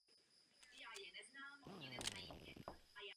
Za vysokých stavů vody se vodopád větví na několik ramen.